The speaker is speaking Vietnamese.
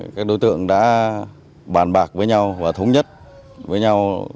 các đối tượng đã bàn bạc với nhau và thống nhất với nhau